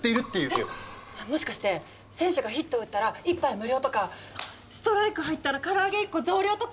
えっもしかして選手がヒットを打ったら１杯無料とかストライク入ったら唐揚げ１個増量とか！